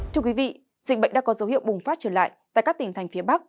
thưa quý vị dịch bệnh đã có dấu hiệu bùng phát trở lại tại các tỉnh thành phía bắc